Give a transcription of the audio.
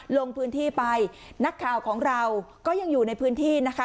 ลงพื้นที่ไปนักข่าวของเราก็ยังอยู่ในพื้นที่นะคะ